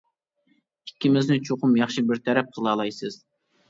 ئىككىمىزنى چوقۇم ياخشى بىر تەرەپ قىلالايسىز.